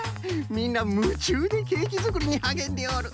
みんなむちゅうでケーキづくりにはげんでおる。